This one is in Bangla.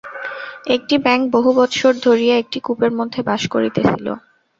একটি ব্যাঙ বহু বৎসর ধরিয়া একটি কূপের মধ্যে বাস করিতেছিল।